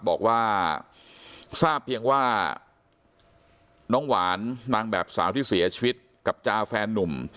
บอกว่าทราบเพียงว่าน้องหวานนางแบบสาวที่เสียชีวิตกับจาแฟนนุ่ม